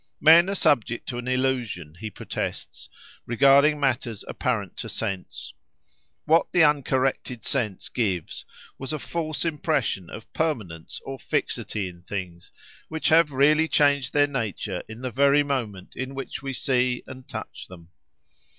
Men are subject to an illusion, he protests, regarding matters apparent to sense. What the uncorrected sense gives was a false impression of permanence or fixity in things, which have really changed their nature in the very moment in which we see and touch them.